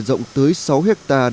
rộng tới sáu hectare